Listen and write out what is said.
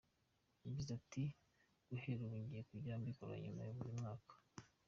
Yagize ati “Guhera ubu bigiye kujya bikorwa nyuma ya buri mwaka.